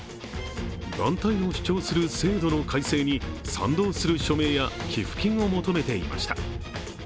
団体の主張する制度の改正に賛同する署名や寄付金を求めていました。